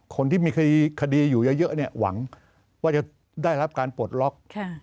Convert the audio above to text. คนที่มีคดีอยู่เยอะเนี่ยหวังว่าจะได้รับการปลดล็อก